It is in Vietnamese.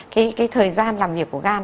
cái thời gian làm việc của gan